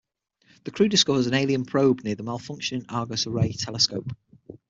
The crew discovers an alien probe near the malfunctioning Argus Array telescope.